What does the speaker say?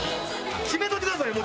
決めといてくださいよ！